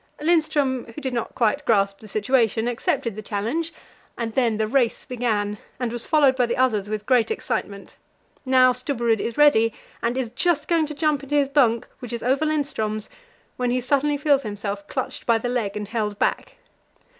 Lindström, who did not quite grasp the situation, accepted the challenge, and then the race began, and was followed by the others with great excitement. Now Stubberud is ready, and is just going to jump into his bunk, which is over Lindström's, when he suddenly feels himself clutched by the leg and held back.